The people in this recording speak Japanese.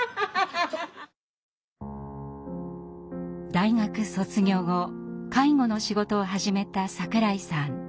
大学卒業後介護の仕事を始めた櫻井さん。